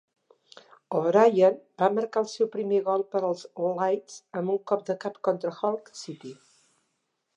O'Brien va marcar el seu primer gol per al Leeds amb un cop de cap contra Hull City.